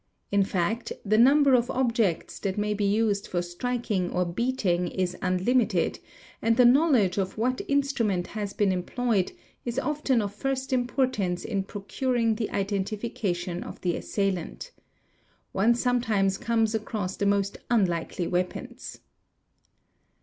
In fact the number of objects that may be used for striking beating is unlimited, and the knowledge of what instrument has been employed is often of first importance in procuring the identifica tion of the assailant. One sometimes comes across the most unlikely yeapons.